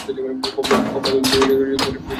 কমলা কহিল, তুমি শুইতে যাইবে না?